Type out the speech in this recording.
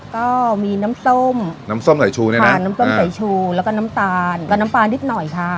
ก็มีน้ำส้มน้ำส้มใส่ชูเนี่ยนะน้ำส้มไก่ชูแล้วก็น้ำตาลก็น้ำตาลนิดหน่อยค่ะ